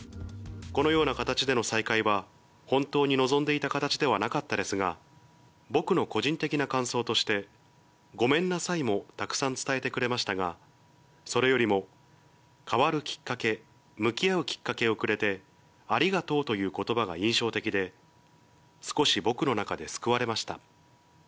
このような形での再会は、本当に望んでいた形ではなかったですが、僕の個人的な感想として、ごめんなさいもたくさん伝えてくれましたが、それよりも変わるきっかけ、向き合うきっかけをくれて、ありがとうということばが印象的で、少し僕の中で救われました。